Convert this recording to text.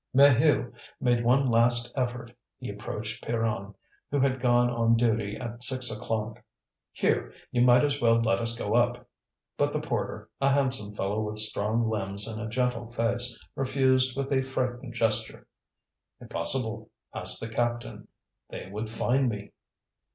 Maheu made one last effort. He approached Pierron, who had gone on duty at six o'clock. "Here! you might as well let us go up." But the porter, a handsome fellow with strong limbs and a gentle face, refused with a frightened gesture. "Impossible: ask the captain. They would fine me."